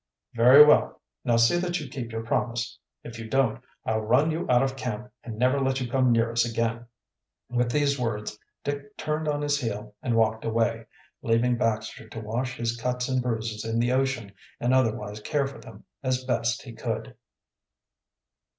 "Very well; now see that you keep your promise. If you don't, I'll run you out of camp and never let you come near us again." With these words Dick turned on his heel and walked away, leaving Baxter to wash his cuts and bruises in the ocean and otherwise care for them as best he could.